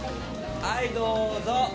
はいどうぞ。